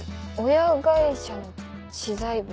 親会社の知財部？